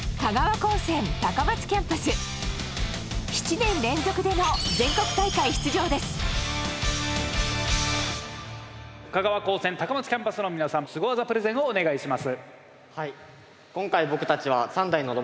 高専高松キャンパスの皆さんすご技プレゼンをお願いします。